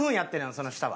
その下は。